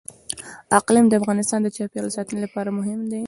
اقلیم د افغانستان د چاپیریال ساتنې لپاره مهم دي.